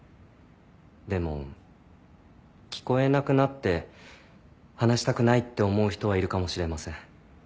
でも聞こえなくなって話したくないって思う人はいるかもしれません。